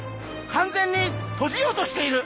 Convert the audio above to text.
完全に閉じようとしている。